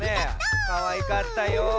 かわいかったよ。